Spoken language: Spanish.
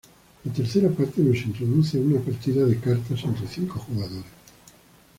La tercera parte nos introduce una partida de cartas entre cinco jugadores.